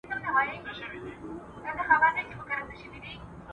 هغه د خپلواکۍ او ملي ګټو د ساتنې لپاره تل چمتو و.